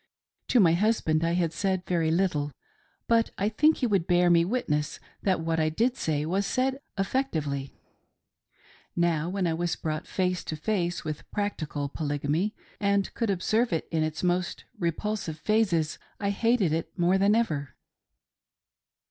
To my husband I had said very little, but I think he would bear me witness that what I did say was said effectively. Now when I was brought face to face with practical Polygamy and could observe it in its most repulsive phases, I hated it more than ever.